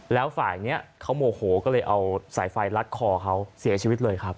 แล้วฝ่ายนี้เขาโมโหก็เลยเอาสายไฟลัดคอเขาเสียชีวิตเลยครับ